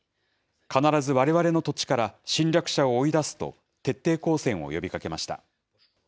必ずわれわれの土地から侵略者を追い出すと徹底抗戦を呼びかけました。